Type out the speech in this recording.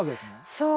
そう。